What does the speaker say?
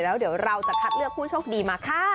แล้วเดี๋ยวเราจะคัดเลือกผู้โชคดีมาค่ะ